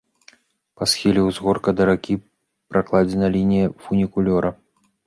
Па схіле ўзгорка, да ракі, пракладзена лінія фунікулёра.